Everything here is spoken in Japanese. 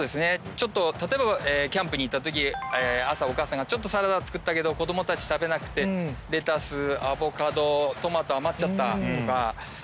例えばキャンプに行ったとき朝お母さんがサラダ作ったけど子供たち食べなくてレタスアボカドトマト余っちゃったとか。